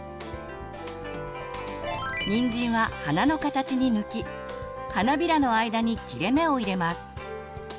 にんじんは花の形に抜き花びらの間に切れ目を入れます。